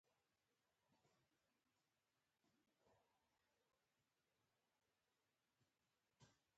لوبغاړي خپل هيواد ته ویاړ راوړي.